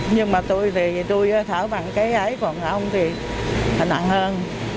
nhưng mà tôi thì tôi thở bằng cái ấy còn ông thì nặng hơn